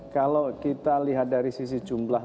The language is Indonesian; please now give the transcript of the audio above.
kalau kita lihat dari sisi jumlah